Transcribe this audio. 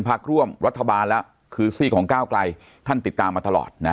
พักร่วมรัฐบาลแล้วคือซีกของก้าวไกลท่านติดตามมาตลอดนะ